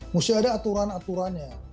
mesti ada aturan aturannya